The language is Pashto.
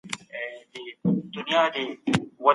دا مجلس به د بهرنيو پانګوالو د هڅولو قانون جوړ کړي.